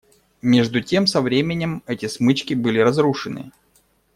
Между тем со временем эти смычки были разрушены.